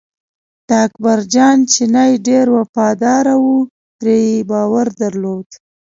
د اکبر جان چینی ډېر وفاداره و پرې یې باور درلود.